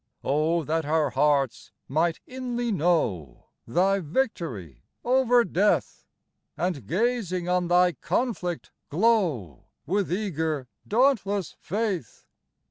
65 Oh that our hearts might inly know Thy victory over death, And, gazing on Thy conflict, glow With eager, dauntless faith